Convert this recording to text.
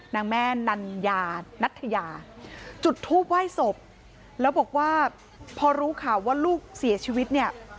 นางแม่นัญญานัทยาจุดทูปไหว้ศพแล้วบอกว่าพอรู้ข่าวว่าลูกเสียชีวิตเนี่ย